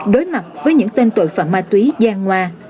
đối mặt với những tên tội phạm ma túy gian ngoa